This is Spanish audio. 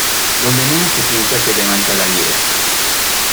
Donde menos se piensa, se levanta la liebre.